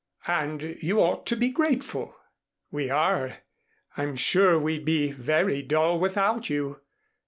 And you ought to be grateful." "We are. I'm sure we'd be very dull without you.